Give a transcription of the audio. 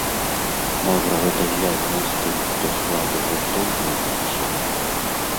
Можа, гэта звязана з тым, што склады гуртоў змяніліся.